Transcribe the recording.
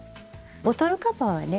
ボトルカバーはね